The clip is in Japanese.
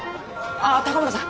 あっ高村さん